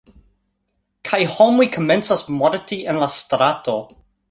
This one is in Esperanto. kaj homoj komencas morti en la strato.